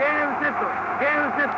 ゲームセット！